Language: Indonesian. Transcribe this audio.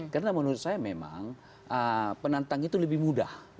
karena menurut saya memang penantang itu lebih mudah